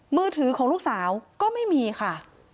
มือถือของลูกสาวก็ไม่มีค่ะ